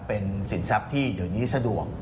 เป็นสินทรัพย์ที่เดี๋ยวนี้สะดวก